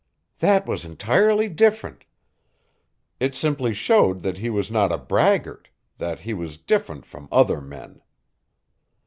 "That was entirely different. It simply showed that he was not a braggart; that he was different from other men!"